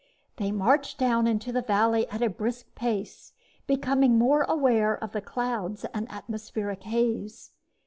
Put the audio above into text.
They marched down into the valley at a brisk pace, becoming more aware of the clouds and atmospheric haze.